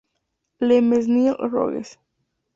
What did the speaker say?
Le Mesnil-Rogues